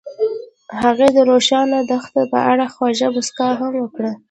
هغې د روښانه دښته په اړه خوږه موسکا هم وکړه.